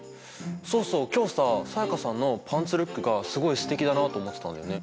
そうそう今日さ才加さんのパンツルックがすごいすてきだなあと思ってたんだよね。